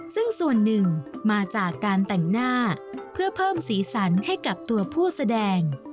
ซึ่งส่วนหนึ่งมาจากการแต่งหน้าเพื่อเพิ่มสีสันให้กับตัวผู้แสดง